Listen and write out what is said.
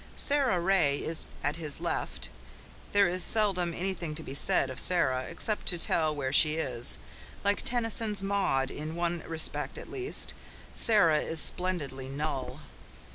Sara Ray is at his left. There is seldom anything to be said of Sara except to tell where she is. Like Tennyson's Maud, in one respect at least, Sara is splendidly null.